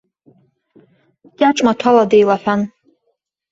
Кьаҿ-маҭәала деилаҳәан.